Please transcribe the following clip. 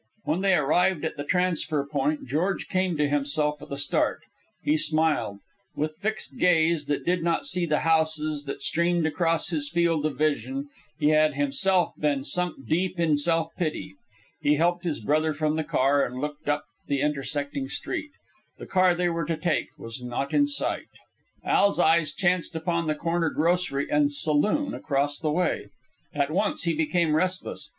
When they arrived at the transfer point, George came to himself with a start. He smiled. With fixed gaze that did not see the houses that streamed across his field of vision, he had himself been sunk deep in self pity. He helped his brother from the car, and looked up the intersecting street. The car they were to take was not in sight. Al's eyes chanced upon the corner grocery and saloon across the way. At once he became restless.